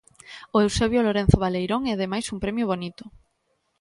O Eusebio Lorenzo Baleirón é ademais un premio bonito.